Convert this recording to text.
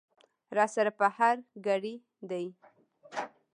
را سره په هر ګړي دي